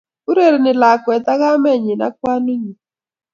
Urereni lakwet ak kamenyi ak kwanunyi